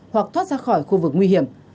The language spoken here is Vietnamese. hoặc thoát ra khỏi khu vực nguy hiểm